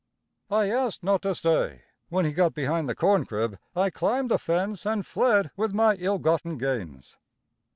I asked not to stay. When he got behind the corn crib I climbed the fence and fled with my ill gotten gains.